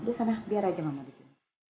di sana biar aja mama di sini